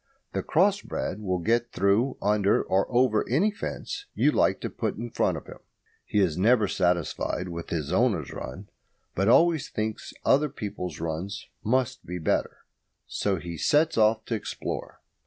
The cross bred will get through, under, or over any fence you like to put in front of him. He is never satisfied with his owner's run, but always thinks other people's runs must be better, so he sets off to explore.